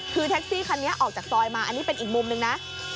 คือแท็กซี่คันนี้ออกจากซอยมาอันนี้เป็นอีกมุมหนึ่งนะ